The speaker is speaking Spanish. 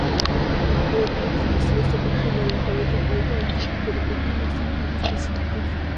El alfabeto licio está próximo al alfabeto griego antiguo pero contiene signos específicos.